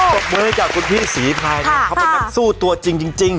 พบมือให้กับคุณพี่สีไพรเขาเป็นนักสู้ตัวจริง